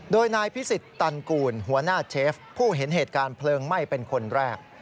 โดยนายพิสิทธิตันกูลหัวหน้าเชฟผู้เห็นเหตุการณ์เพลิงไหม้เป็นคนแรก